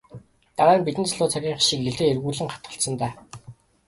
Дараа нь бидний залуу цагийнх шиг илдээ эргүүлэн хатгалцсан даа.